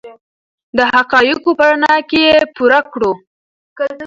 د حقایقو په رڼا کې یې پوره کړو.